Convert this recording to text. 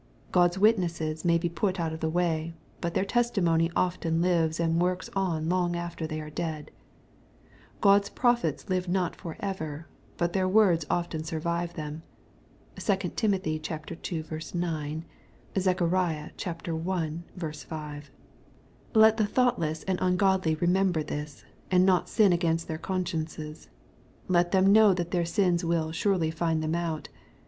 God's witnesses may be put out of the way, but their testimony often lives and works on long after they are dead. God's prophets live not for ever, but their words often survive them. (2 Tim. ii. 9. Zech. i. 5.) Let the thoughtless and ungodly remember this, and not sin against their consciences. Let them know that their sins will " surely find them out."